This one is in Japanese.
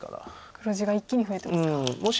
黒地が一気に増えてますか。